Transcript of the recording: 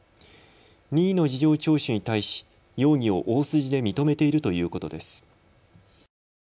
任意の事情聴取に対し容疑を大筋で認めているということです。